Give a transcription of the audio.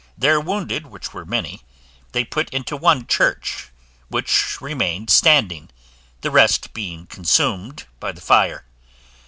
Their wounded, which were many, they put into one church, which remained standing, the rest being consumed by the fire.